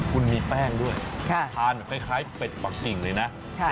คุณมีแป้งด้วยทานแบบคล้ายเป็ดปักกิ่งเลยนะ